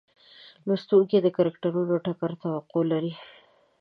لوستونکي د کرکټرونو ټکر توقع لري.